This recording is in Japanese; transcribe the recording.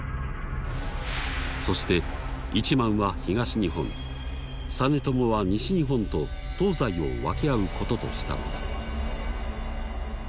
そして一幡は東日本実朝は西日本と東西を分け合うこととしたのだ。